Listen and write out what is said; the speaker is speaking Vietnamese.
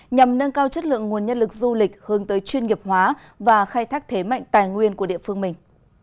nhằm nâng cao chất lượng nguồn nhân lực du lịch hướng tới chuyên nghiệp hóa và khai thác thế mạnh tài nguyên của địa phương mình